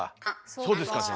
そうですか先生。